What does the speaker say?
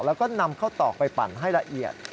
แล้วก็นำเข้าตอกไปปั่นให้ละเอียด